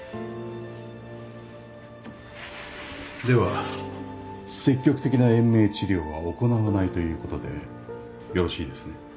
では積極的な延命治療は行なわないということでよろしいですね？